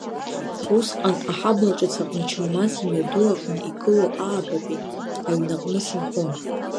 Усҟан Аҳабла ҿыц аҟны Чалмаз имҩаду аҟны игылоу аабатәи аҩнаҟны сынхон.